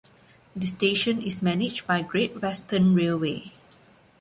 The station is managed by Great Western Railway.